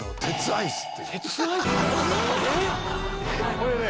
これね